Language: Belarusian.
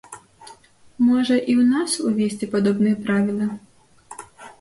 Можа, і ў нас увесці падобныя правілы?